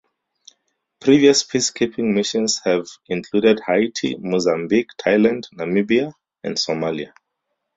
Previous peacekeeping missions have included Haiti, Mozambique, Thailand, Namibia, and Somalia.